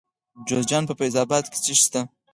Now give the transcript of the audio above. د جوزجان په فیض اباد کې څه شی شته؟